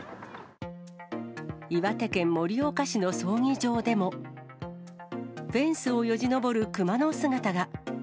岩手県盛岡市の葬儀場でも、フェンスをよじ登る熊の姿が。